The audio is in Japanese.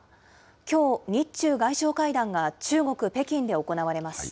きょう、日中外相会談が中国・北京で行われます。